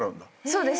そうです